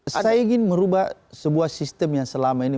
saya ingin merubah sebuah sistem yang selama ini